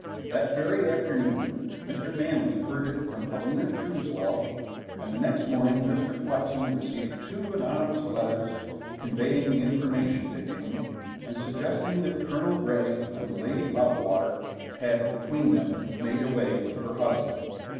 That very afternoon Mr. Manley heard it from Helena Truslove, and the next morning Mr. Flexen received two anonymous letters conveying the information to him, and suggesting that Colonel Grey and the Lady Loudwater had between them made away with her husband.